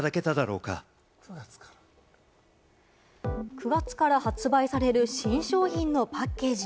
９月から発売される新商品のパッケージ。